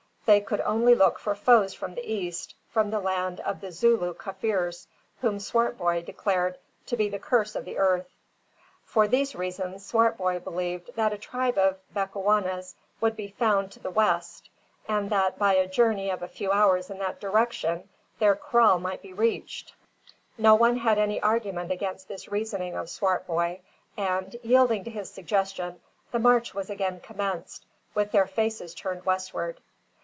They could only look for foes from the east, from the land of the Zooloo Kaffirs; whom Swartboy declared to be the curse of the earth. For these reasons, Swartboy believed that a tribe of Bechuanas would be found to the west, and that, by a journey of a few hours in that direction, their kraal might be reached. No one had any argument against this reasoning of Swartboy; and, yielding to his suggestion, the march was again commenced, with their faces turned westward.